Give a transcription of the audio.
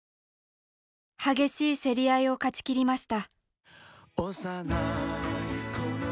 激しい競り合いを勝ちきりました。